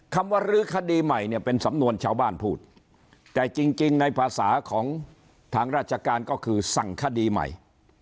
คำว่ารื้อคดีใหม่เนี่ยเป็นสำนวนชาวบ้านพูดแต่จริงในภาษาของทางราชการก็คือสั่งคดีใหม่